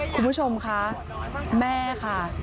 คุณผู้ชมค่ะแม่ค่ะ